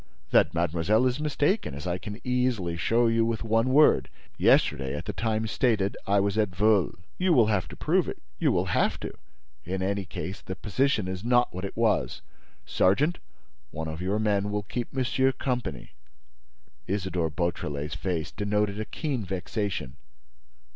"That mademoiselle is mistaken, as I can easily show you with one word. Yesterday, at the time stated, I was at Veules." "You will have to prove it, you will have to. In any case, the position is not what it was. Sergeant, one of your men will keep monsieur company." Isidore Beautrelet's face denoted a keen vexation.